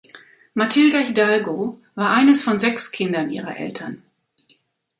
Matilda Hidalgo war eines von sechs Kindern ihrer Eltern.